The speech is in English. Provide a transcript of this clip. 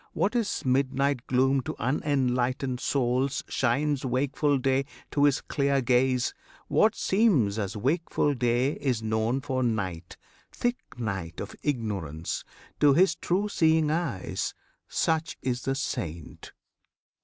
What is midnight gloom To unenlightened souls shines wakeful day To his clear gaze; what seems as wakeful day Is known for night, thick night of ignorance, To his true seeing eyes. Such is the Saint!